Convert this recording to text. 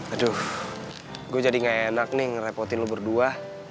aduh gue jadi nggak enak nih ngerepotin lo berdua